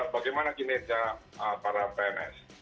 bagaimana kinerja para pns